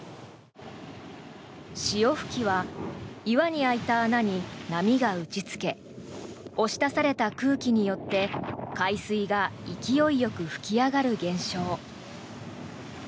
潮吹きは岩に開いた穴に波が打ちつけ押し出された空気によって海水が勢いよく吹き上がる現象。